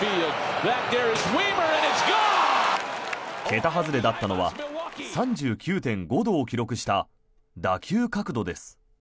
桁外れだったのは３９．５度を記録した打球角度です。